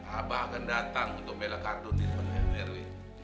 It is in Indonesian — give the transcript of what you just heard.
abah akan datang untuk melakukannya di kantor rw